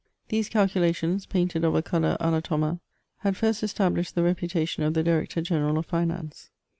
These calculations, painted of a colour a la Thomas, had first established the reputation of the Director general of Finance.